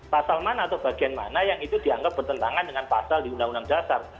pasal mana atau bagian mana yang itu dianggap bertentangan dengan pasal di undang undang dasar